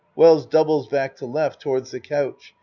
(Wells doubles back to L. towards the couch.